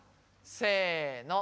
せの。